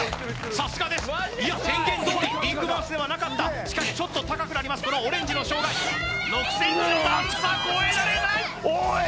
さすがですいや宣言どおりビッグマウスではなかったしかしちょっと高くなりますこのオレンジの障害６ｃｍの段差こえられないおい！